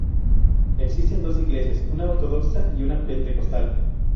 Existen dos iglesias: una ortodoxa y otra pentecostal.